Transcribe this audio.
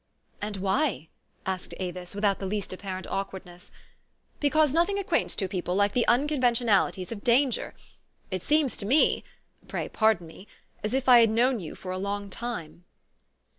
"And why?" asked Avis, without the least ap parent awkwardness. "Because nothing acquaints two people like the unconventionalities of danger. It seems to me pray pardon me as if I had known you for a long tune."